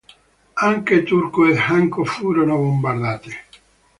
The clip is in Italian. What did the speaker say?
Anche Turku ed Hanko furono bombardate.